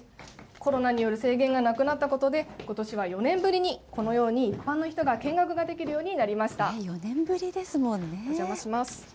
コロナによる制限がなくなったことで、ことしは４年ぶりに、このように一般の人が見学ができるようにな４年ぶりですもんね。